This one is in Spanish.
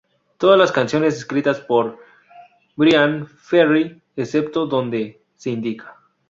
Todas las canciones escritas por Bryan Ferry, excepto donde se indica.